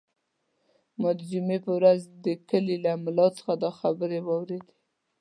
ما د جمعې په ورځ د کلي له ملا څخه دا خبرې واورېدې.